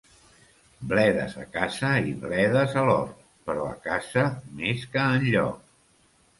Bledes a casa i bledes a l'hort, però a casa més que enlloc.